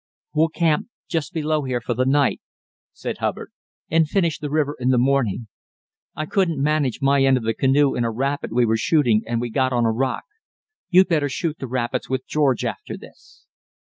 "We'll camp just below here for the night," said Hubbard, "and finish the river in the morning. I couldn't manage my end of the canoe in a rapid we were shooting and we got on a rock. You'd better shoot the rapids with George after this."